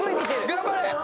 頑張れ！